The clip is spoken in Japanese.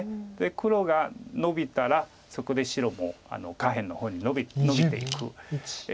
黒がノビたらそこで白も下辺の方にノビていく。